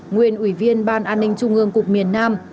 nguyên ủy viên ban an ninh trung ương cục miền nam